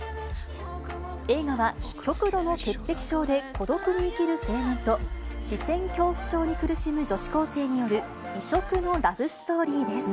映画は極度の潔癖症で孤独に生きる青年と、視線恐怖症に苦しむ女子高生による異色のラブストーリーです。